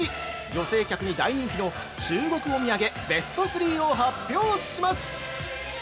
女性客に大人気の「中国お土産」ベスト３を発表します！